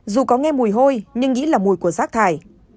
dù có nghe mùi hôi nhưng nghĩ là mùi của rác thải